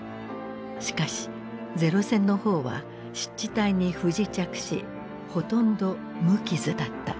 しかし零戦の方は湿地帯に不時着しほとんど無傷だった。